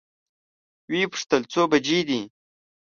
وې پوښتل څو بجې دي؟